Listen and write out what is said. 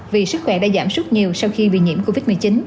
vì sức khỏe đã giảm rất nhiều sau khi bị nhiễm covid một mươi chín